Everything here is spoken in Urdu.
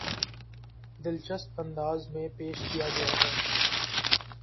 دلچسپ انداز میں پیش کیا گیا ہے